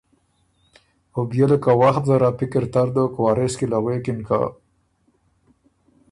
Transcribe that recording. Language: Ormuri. او بيې له که وخت زر ا پِکر تر دوک وارث کی له غوېکِن که